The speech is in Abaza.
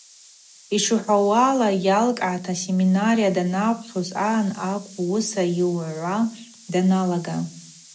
Йшырхӏвауала, йалкӏгӏата асеминария данапхьуз агӏан акӏвпӏ уыса йыгӏвуа даналага.